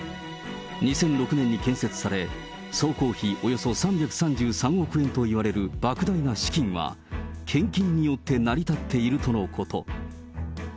２００６年に建設され、総工費およそ３３３億円といわれるばく大な資金は、献金によって成り立っているとのこと。